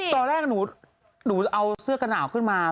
ตอนแรกหนูเอาเสื้อกระหนาวขึ้นมา